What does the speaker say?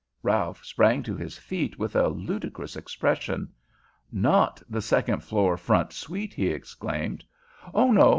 Ralph sprang to his feet with a ludicrous expression. "Not the second floor front suite!" he exclaimed. "Oh, no!